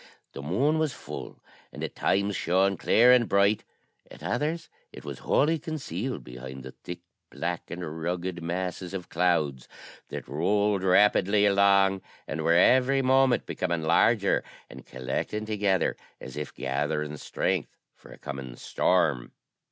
The moon was full, and at times shone clear and bright; at others it was wholly concealed behind the thick, black, and rugged masses of clouds that rolled rapidly along, and were every moment becoming larger, and collecting together as if gathering strength for a coming storm.